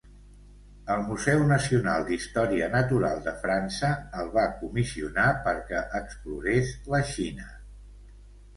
El Museu Nacional d'Història Natural de França el va comissionar perquè explorés la Xina.